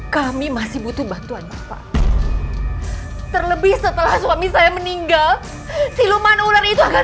kami masih butuh bantuan bapak terlebih setelah suami saya meninggal siluman ular itu akan